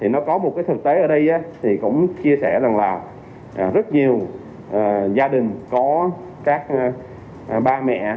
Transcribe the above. nó có một thực tế ở đây cũng chia sẻ rằng là rất nhiều gia đình có các ba mẹ